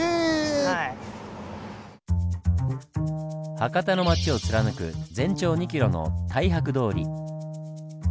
博多の町を貫く全長２キロの大博通り。